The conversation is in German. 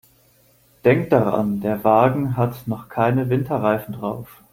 Denk daran, der Wagen hat noch keine Winterreifen drauf.